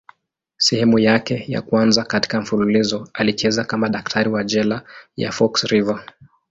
Sehemu yake ya kwanza katika mfululizo alicheza kama daktari wa jela ya Fox River.